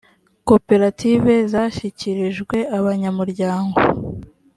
koperative zashyikirijwe abanyamuryango